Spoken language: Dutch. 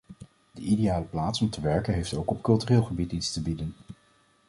De ideale plaats om te werken heeft ook op cultureel gebied iets te bieden.